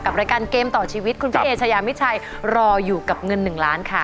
รายการเกมต่อชีวิตคุณพี่เอชายามิชัยรออยู่กับเงิน๑ล้านค่ะ